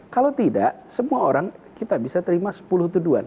kalau tidak semua orang kita bisa terima sepuluh tuduhan